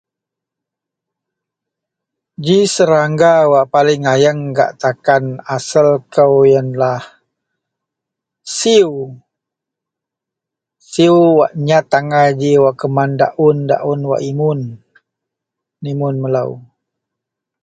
Ji serangga wak paling ayeng gak takan asel kou iyenlah siew, siew wak nyat angai ji wak keman daon-daon wak imun, imun melo.